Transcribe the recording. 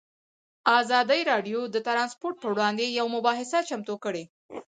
ازادي راډیو د ترانسپورټ پر وړاندې یوه مباحثه چمتو کړې.